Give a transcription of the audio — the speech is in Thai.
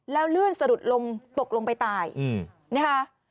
แล้วลื่นสะดุดลงตกลงไปตายนะคะ